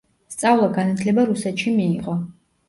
სწავლა-განათლება რუსეთში მიიღო.